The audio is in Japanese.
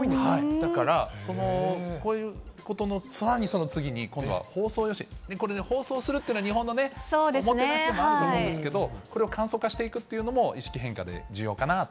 だから、こういうことのさらにその次に包装用紙、これね、包装するっていうのは日本のね、おもてなしでもあると思うんですけど、これを簡素化していくっていうのも、意識変化で重要かなと。